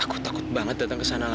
aku takut banget datang ke sana lagi wi